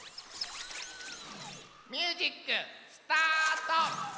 ミュージックスタート！